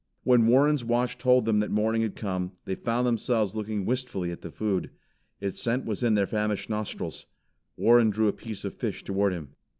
When Warren's watch told them that morning had come, they found themselves looking wistfully at the food. Its scent was in their famished nostrils. Warren drew a piece of fish toward him.